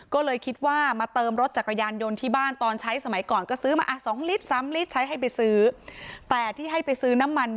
ก็เลยคิดว่ามาเติมรถจักรยานยนต์ที่บ้านตอนใช้สมัยก่อนก็ซื้อมา๒ลิตร๓ลิตรใช้ให้ไปซื้อ